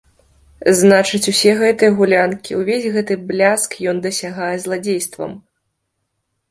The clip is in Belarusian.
Значыць, усе гэтыя гулянкі, увесь гэты бляск ён дасягае зладзействам.